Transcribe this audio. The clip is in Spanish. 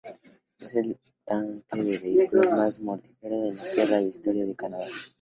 Es el ataque de vehículos más mortífero en la historia de Canadá.